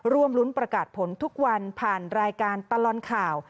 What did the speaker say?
ร่วมรุ้นประกาศผลทุกวันผ่านรายการตลอดข่าว